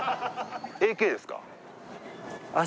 ＡＫですか？